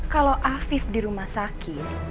kalau afif di rumah sakit